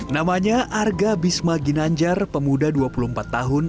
namanya arga bisma ginanjar pemuda dua puluh empat tahun